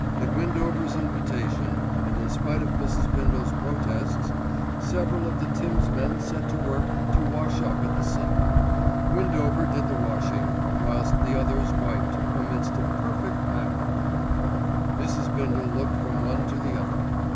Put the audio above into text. At Windover's invitation, and in spite of Mrs. Bindle's protests, several of the Tims men set to work to wash up at the sink. Windover did the washing, whilst the others wiped, amidst a perfect babel. Mrs. Bindle looked from one to the other.